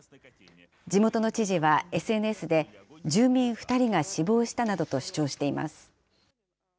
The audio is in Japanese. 地元の知事はＳＮＳで、住民２人が死亡したなどと主張しています。